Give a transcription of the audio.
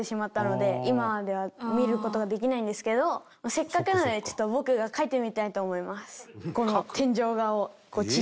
せっかくなのでちょっと僕が描いてみたいと思います。